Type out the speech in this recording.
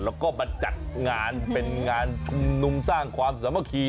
แล้วก็มาจัดงานเป็นงานชุมนุมสร้างความสามัคคี